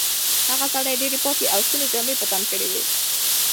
هغه سړي ډېرې پاکې او سپینې جامې په تن کړې وې.